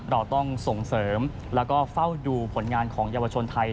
เราต้องส่งเสริมแล้วก็เฝ้าดูผลงานของเยาวชนไทย